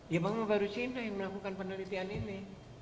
ya memang baru sindo yang melakukan penelitian ini